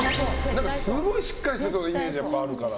すごいしっかりしてそうなイメージあるから。